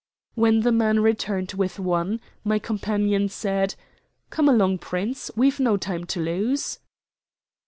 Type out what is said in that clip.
When the man returned with one, my companion said: "Come along, Prince, we've no time to lose."